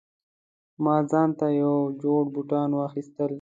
ما ځانته یو جوړ بوټان واخیستل